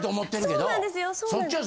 そうなんですよそうなんです。